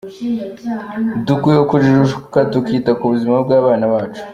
Dukwiye kujijuka tukita ku buzima bw’abana bacu.